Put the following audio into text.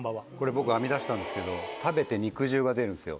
僕編み出したんですけど食べて肉汁が出るんですよ。